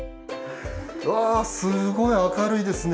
うわすごい明るいですね。